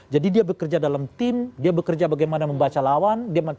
jadi dia bekerja dalam tim dia bekerja bagaimana membaca lawan